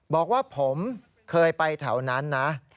บอกว่าผมเคยไปแถวนั้นนะ